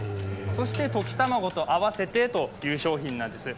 そして、溶き卵とあわせてという商品なんです。